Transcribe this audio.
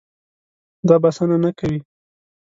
دا بسنه نه کوي.